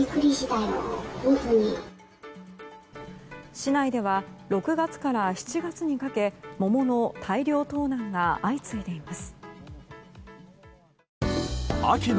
市内では６月から７月にかけ桃の大量盗難が相次いでいます。